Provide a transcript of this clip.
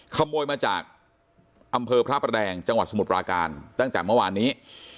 ขโมยมาจากอำเภอพระประแดงจังหวัดสมุทรปราการตั้งแต่เมื่อวานนี้